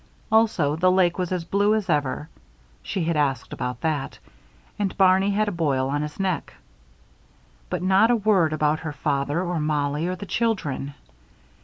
Also the lake was as blue as ever she had asked about that and Barney had a boil on his neck. But not a word about her father or Mollie or the children.